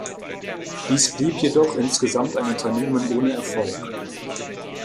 Dies blieb jedoch insgesamt ein Unternehmen ohne Erfolg.